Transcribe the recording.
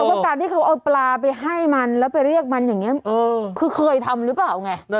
ว่าการที่เขาเอาปลาไปให้มันแล้วไปเรียกมันอย่างนี้คือเคยทำหรือเปล่าไง